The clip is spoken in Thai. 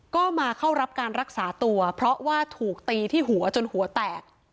ก็มาเข้ารับการรักษาตัวเพราะว่าถูกตีที่หัวจนหัวแตก